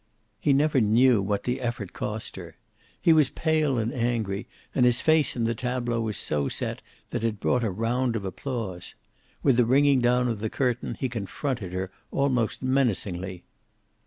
He never knew what the effort cost her. He was pale and angry, and his face in the tableau was so set that it brought a round of applause. With the ringing down of the curtain he confronted her, almost menacingly.